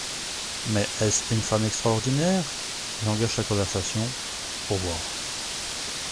Mais est-ce une femme extraordinaire ? J'engage la conversation, pour voir.